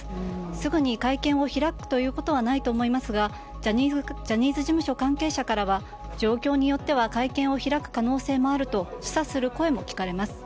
すぐに会見を開くということはないと思いますがジャニーズ事務所関係者からは状況によっては会見を開く可能性もあると示唆する声も聞かれます。